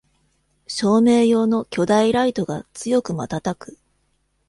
照明用の巨大ライトが強くまたたく